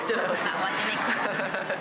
終わってねぇか。